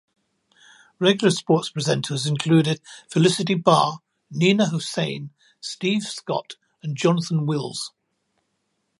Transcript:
Regular sports presenters included Felicity Barr, Nina Hossain, Steve Scott and Jonathan Wills.